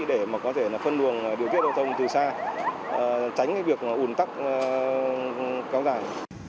để có thể phân luồng điều kiện giao thông từ xa tránh việc ồn tắc cao dài